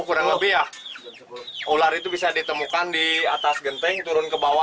ular itu bisa ditemukan di atas genteng turun ke bawah